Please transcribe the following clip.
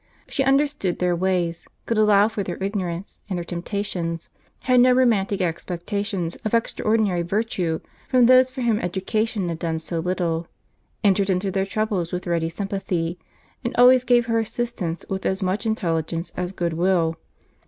She understood their ways, could allow for their ignorance and their temptations, had no romantic expectations of extraordinary virtue from those for whom education had done so little; entered into their troubles with ready sympathy, and always gave her assistance with as much intelligence as good will.